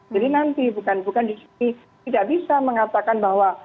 jadi nanti bukan di sini tidak bisa mengatakan bahwa